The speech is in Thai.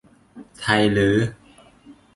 ไทลื้อ